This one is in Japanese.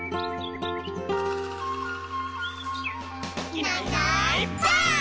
「いないいないばあっ！」